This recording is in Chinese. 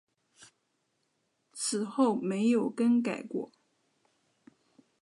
此后没有更改过。